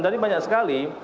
jadi banyak sekali